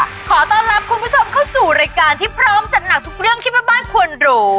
ขอต้อนรับคุณผู้ชมเข้าสู่รายการที่พร้อมจัดหนักทุกเรื่องที่แม่บ้านควรรู้